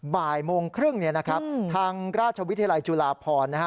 บ่ายโมงครึ่งทางราชวิทยาลัยจุฬาภรณ์